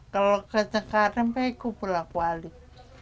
kalau ke cekarim baik pulang balik